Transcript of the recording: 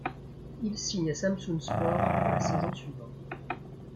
Il signe à Samsunspor pour la saison suivante.